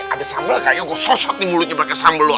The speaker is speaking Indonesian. ada sambel kaya gua sosot mulutnya pake sambel lu